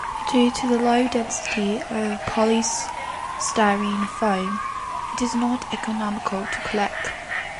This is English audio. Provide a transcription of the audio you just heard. Due to the low density of polystyrene foam, it is not economical to collect.